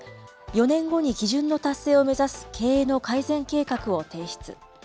４年後に基準の達成を目指す経営の改善計画を提出。